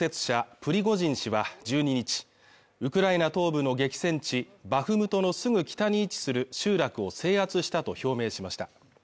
プリゴジン氏は１２日ウクライナ東部の激戦地バフムトのすぐ北に位置する集落を制圧したと表明しました